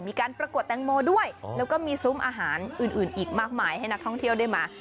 มีการประกวดแตงโมด้วยแล้วก็มีซุ้มอาหารอื่นอีกมากมายให้นักท่องเที่ยวได้มา